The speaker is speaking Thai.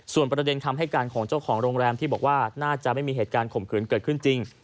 ส่วนประเด็นคำให้การของเจ้าของโรงแรมที่บอกว่าน่าจะไม่มีเหตุการณ์ข่มขืนเกิดขึ้นจริง